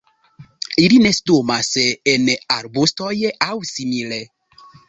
Ili nestumas en arbustoj aŭ simile.